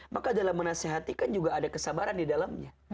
maka dalam menasehati kan juga ada kesabaran di dalamnya